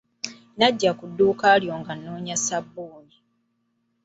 Najja ku dduuka lyo nga noonya ssabuuni.